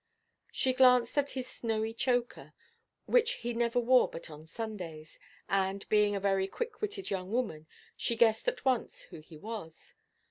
She glanced at his snowy choker—which he never wore but on Sundays—and, being a very quick–witted young woman, she guessed at once who he was.